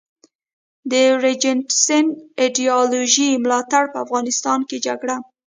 د رنجیت سینګ د ایډیالوژۍ ملاتړي په افغانستان کي جګړه